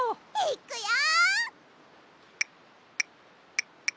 いっくよ！